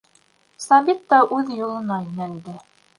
Сабит та үҙ юлына йүнәлде.